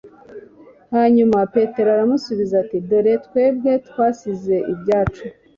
hanyuma petero aramubaza ati “dore twebwe twasize ibyacu